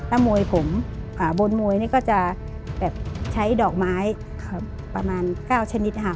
ถ้ามวยผมบนมวยนี่ก็จะแบบใช้ดอกไม้ประมาณ๙ชนิดค่ะ